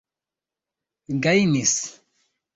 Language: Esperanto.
gajnis